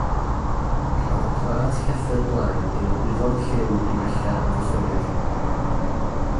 Cafodd y plât llethr blaen ei ogwyddo'n llym i wella amddiffyniad.